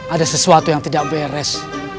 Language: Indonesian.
ada sesuatu yang tidak beres